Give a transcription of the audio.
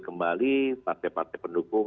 kembali partai partai pendukung